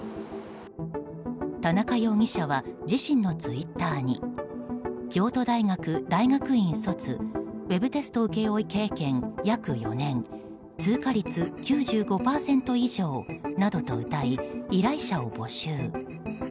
田中容疑者は自身のツイッターに京都大学大学院卒ウェブテスト請負い経験約４年通過率９５％以上などとうたい依頼者を募集。